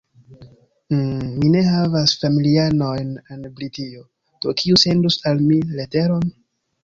Hm, mi ne havas familianojn en Britio, do kiu sendus al mi leteron?